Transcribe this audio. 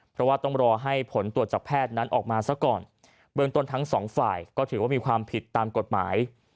เพราะว่าต้องรอให้ผลตรวจจากแพทย์นั้นออกมาซะก่อนเบื้องต้นทั้งสองฝ่ายก็ถือว่ามีความผิดตามกฎหมาย